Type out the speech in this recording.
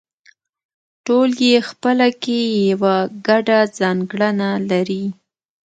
ټول یې خپله کې یوه ګډه ځانګړنه لري